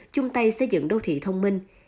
chung tay xây dựng đô thị thông minh